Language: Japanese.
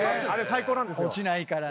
落ちないからね。